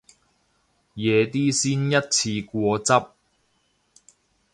夜啲先一次過執